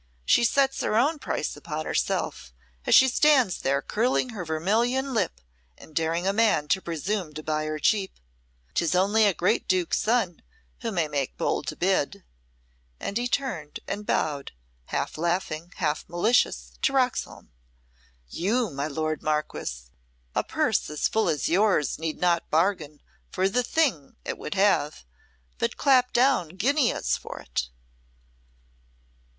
She sets her own price upon herself, as she stands there curling her vermilion lip and daring a man to presume to buy her cheap. 'Tis only a great Duke's son who may make bold to bid." And he turned and bowed, half laughing, half malicious, to Roxholm. "You, my lord Marquess; a purse as full as yours need not bargain for the thing it would have, but clap down guineas for it."